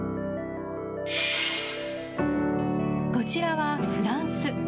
こちらはフランス。